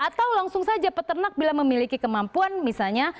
atau langsung saja peternak bila memiliki kemampuan misalnya